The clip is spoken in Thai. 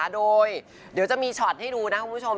โดยเดี๋ยวจะมีช็อตให้ดูนะคุณผู้ชม